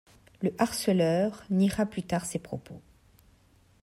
Le harceleur niera plus tard ces propos.